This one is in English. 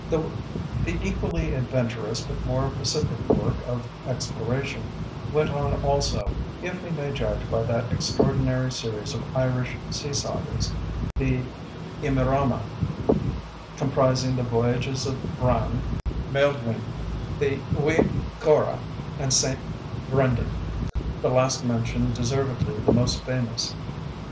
The equally adventurous but more pacific work of exploration went on also, if we may judge by that extraordinary series of Irish sea sagas, the Imrama, comprising the Voyages of Bran, Maelduin, the Hui Corra, and St. Brendan the last mentioned deservedly the most famous.